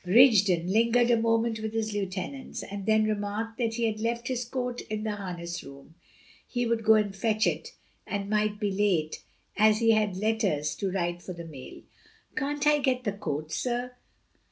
Rigden lingered a moment with his lieutenants, and then remarked that he had left his coat in the harness room; he would go and fetch it, and might be late, as he had letters to write for the mail. "Can't I get the coat, sir?"